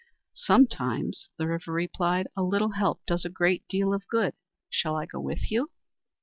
"Sometimes," the River replied, "a little help does a great deal of good. Shall I go with you?"